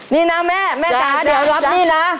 นี่นะแม่แม่จ๋าเดี๋ยวรับหนี้นะ